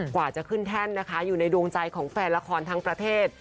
กว่าจะขึ้นแท่นนะคะอยู่ในดวงใจของแฟนละครทั้งประเทศ